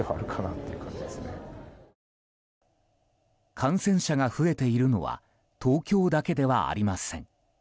感染者が増えているのは東京だけではありません。